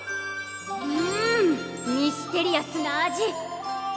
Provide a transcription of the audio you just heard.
んミステリアスな味！